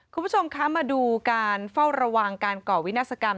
คุณผู้ชมคะมาดูการเฝ้าระวังการก่อวินาศกรรม